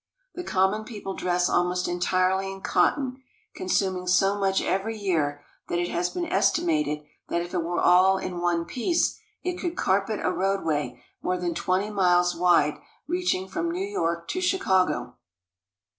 The common people dress almost entirely in cotton, consuming so much every year that it has been estimated that if it were all in one piece, it could carpet a roadway more than twenty miles wide reaching from New York to Chicago.